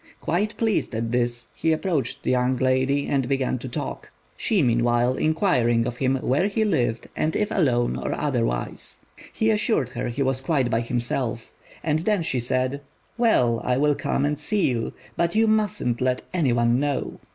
Quite pleased at this, he approached the young lady and began to talk, she, meanwhile, inquiring of him where he lived, and if alone or otherwise. He assured her he was quite by himself; and then she said, "Well, I will come and see you, but you mustn't let any one know."